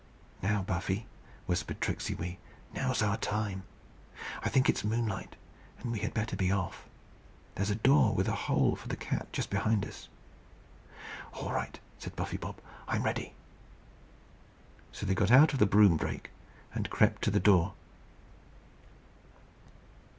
"Now, Buffy," whispered Tricksey Wee, "now's our time. I think it's moonlight, and we had better be off. There's a door with a hole for the cat just behind us." "All right," said Bob; "I'm ready." So they got out of the broom brake and crept to the door.